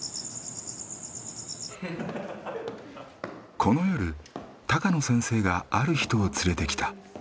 この夜高野先生がある人を連れてきた。